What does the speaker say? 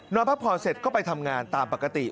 พักผ่อนเสร็จก็ไปทำงานตามปกติ